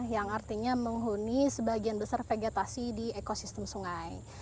yang artinya menghuni sebagian besar vegetasi di ekosistem sungai